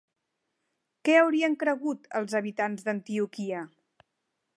Què haurien cregut els habitants d'Antioquia?